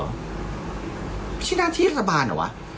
ไม่ใช่หน้าที่รัฐบาลเหรอวะ